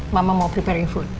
mama mau preparing food